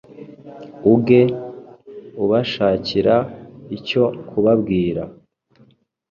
uge ubashakira icyo kubabwira